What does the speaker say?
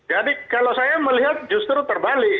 jadi kalau saya melihat justru terbalik